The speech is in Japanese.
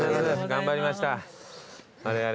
頑張りました。